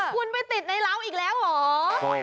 คุณไปติดในเหล้าอีกแล้วเหรอ